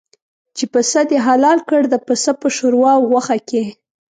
چې پسه دې حلال کړ د پسه په شوروا او غوښه کې.